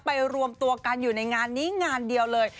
รวมตัวกันอยู่ในงานนี้งานเดียวเลย